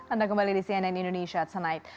anda kembali di cnn indonesia tonight